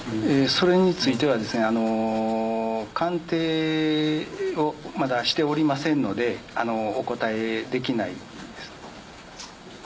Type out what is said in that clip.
それについては、鑑定をまだしておりませんので、お答えできないです。